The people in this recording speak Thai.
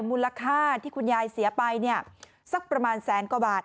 มูลค่าที่คุณยายเสียไปเนี่ยสักประมาณแสนกว่าบาท